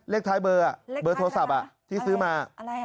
เลขท้ายเบอร์เบอร์โทรศัพท์ที่ซื้อมา